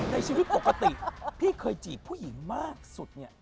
ในชีวิตปกติพี่เคยจีบผู้หญิงมากสุดเนี่ย